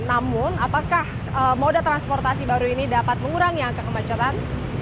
namun apakah moda transportasi baru ini dapat mengurangi angka kemacetan